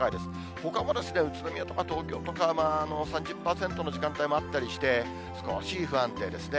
ほかも宇都宮とか東京とか、３０％の時間帯もあったりして、少し不安定ですね。